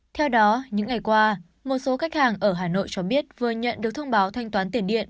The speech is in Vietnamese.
theo đó những ngày qua một số khách hàng ở hà nội cho biết vừa nhận được thông báo thanh toán tiền điện